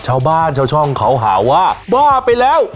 ชาวบ้านชาวช่องเขาหาว่าบ้าไปแล้ว